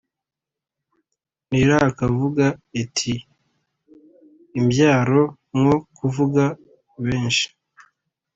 ntirakavuga iti Imbyaro nko kuvuga benshi